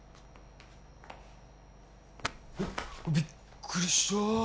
えっびっくりした。